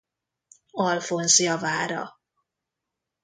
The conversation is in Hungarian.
Alfonz javára.